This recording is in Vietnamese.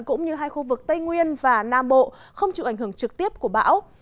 cũng như hai khu vực tây nguyên và nam bộ không chịu ảnh hưởng trực tiếp của bão